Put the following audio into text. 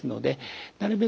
なるべく